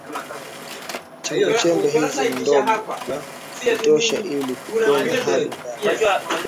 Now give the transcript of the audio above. Chembechembe hizi ni ndogo vya kutosha ili kupenya hadi ndani ya